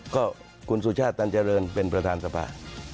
ก็คุณสุชาติตันเจริญเป็นประธานสภา